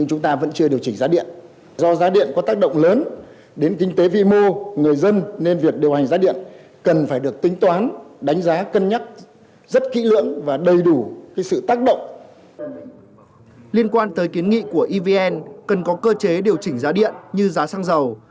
cần có cơ chế điều chỉnh giá điện như giá xăng dầu